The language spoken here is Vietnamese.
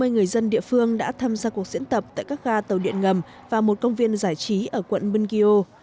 ba trăm năm mươi người dân địa phương đã tham gia cuộc diễn tập tại các ga tàu điện ngầm và một công viên giải trí ở quận mungyo